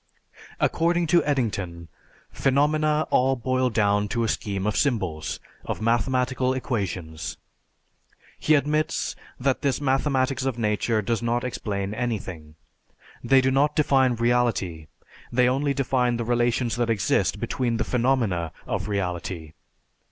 According to Eddington, "Phenomena all boil down to a scheme of symbols, of mathematical equations." He admits that this mathematics of nature does not explain anything. They do not define reality, they only define the relations that exist between the phenomena of reality.